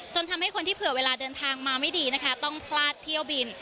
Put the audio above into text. ทำให้คนที่เผื่อเวลาเดินทางมาไม่ดีนะคะต้องพลาดเที่ยวบิน